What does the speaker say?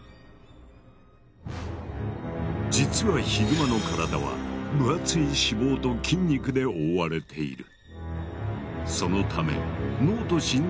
実はヒグマの体は分厚い脂肪と筋肉で覆われている。